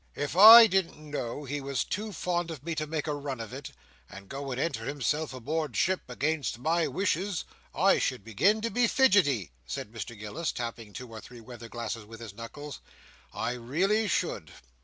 "If I didn't know he was too fond of me to make a run of it, and go and enter himself aboard ship against my wishes, I should begin to be fidgetty," said Mr Gills, tapping two or three weather glasses with his knuckles. "I really should.